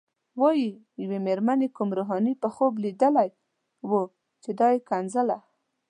وايي یوې مېرمنې کوم روحاني په خوب لیدلی و چې دا یې ښکنځله.